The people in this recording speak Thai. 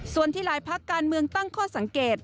ส่วนที่หลายภาคการเมืองตั้งข้อสังเกต